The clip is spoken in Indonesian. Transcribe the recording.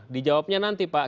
di jawabnya nanti pak